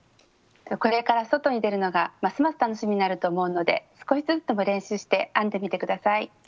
これから外に出るのがますます楽しみになると思うので少しずつでも練習して編んでみて下さい。